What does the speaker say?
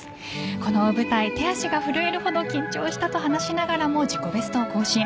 この大舞台、手足が震えるほど緊張したと話しながらも自己ベストを更新。